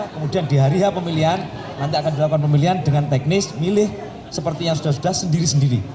kemudian di hari h pemilihan nanti akan dilakukan pemilihan dengan teknis milih seperti yang sudah sudah sendiri sendiri